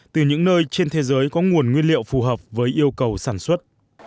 từ những nơi trên thế giới có nguồn nguyên liệu phù hợp với yêu cầu sản xuất